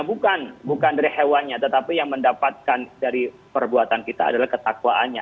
bukan bukan dari hewannya tetapi yang mendapatkan dari perbuatan kita adalah ketakwaannya